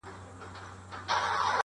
• د پولادو په سینو کي -